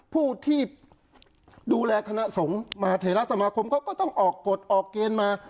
ผู้ที่ดูแลคณะสงฆ์มหาเทราสมาคมเขาก็ต้องออกกฎออกเกณฑ์มา